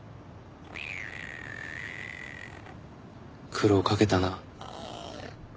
苦労かけたな。